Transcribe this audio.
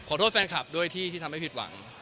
โทษแฟนคลับด้วยที่ทำให้ผิดหวัง